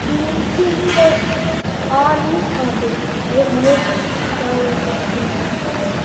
He maintained correspondence on these topics with major scholars in China.